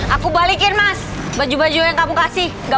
aku balikin mas baju baju yang kamu kasih